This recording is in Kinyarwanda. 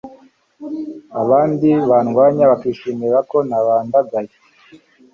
abandi bandwanya bakishimira ko nabandagaye